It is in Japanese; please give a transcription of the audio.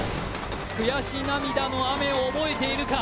悔し涙の雨を覚えているか。